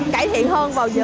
giải thích cho các anh chị